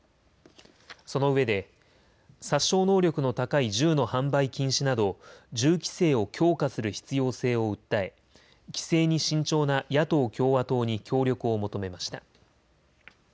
そのうえで殺傷能力の高い銃の販売禁止など銃規制を強化する必要性を訴え、規制に慎重な野党・共和党に協力を求めました。